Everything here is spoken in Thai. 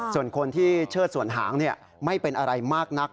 ส่วนคนที่เชิดส่วนหางไม่เป็นอะไรมากนัก